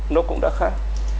nó cũng đã khác